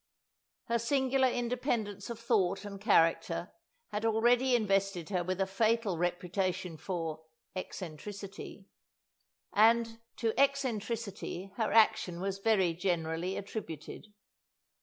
Her singular independence of thought and character had already invested her with a fatal reputation for "eccentricity," and to "eccentricity" her action was very generally attributed.